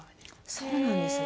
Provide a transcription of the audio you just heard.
そうなんですね。